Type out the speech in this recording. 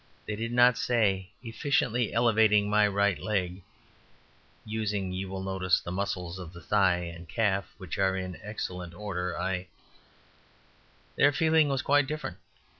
They did not say, "Efficiently elevating my right leg, using, you will notice, the muscles of the thigh and calf, which are in excellent order, I " Their feeling was quite different.